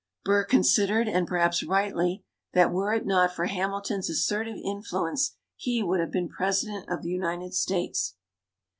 Burr considered, and perhaps rightly, that were it not for Hamilton's assertive influence he would have been President of the United States.